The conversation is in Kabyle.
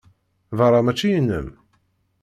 Berra mačči inem.